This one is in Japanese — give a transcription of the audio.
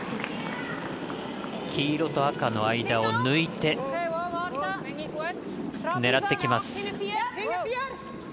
黄色と赤の間を抜いて狙ってきます。